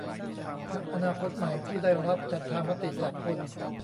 พรรคอนาคคใหม่ ที่ได้รับฉันทามติจากคน